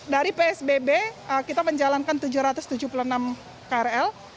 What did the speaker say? dari psbb kita menjalankan tujuh ratus tujuh puluh enam krl